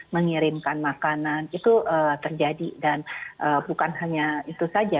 mengirimkan makanan itu terjadi dan bukan hanya itu saja